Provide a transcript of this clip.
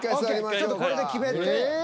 ちょっとこれで決めて。